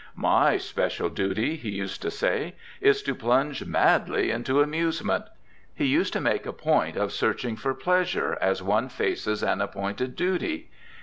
'My special duty,' he used to say, 'is to plunge madly into amusement.' He used to make a point of searching for pleasure as one faces an appointed duty.